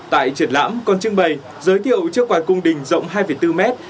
tại triển lãm còn trưng bày giới thiệu chiếc quà cung đình rộng hai bốn mét